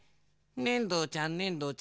ねんどちゃんねんどちゃん。